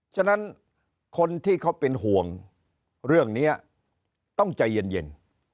ฉะนั้นคนที่เขาเป็นห่วงเรื่องนี้ต้องใจเย็น